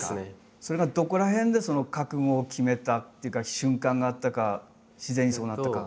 それがどこら辺で覚悟を決めたっていうか瞬間があったか自然にそうなったか。